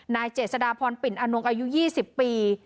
นายเจสดาพรปิ่นอนุโกอายุ๒๐ปี